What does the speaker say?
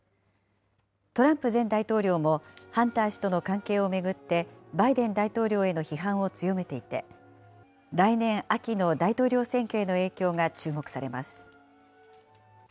トランプ前大統領も、ハンター氏との関係を巡って、バイデン大統領への批判を強めていて、来年秋の大統領選挙への影響が注目されます。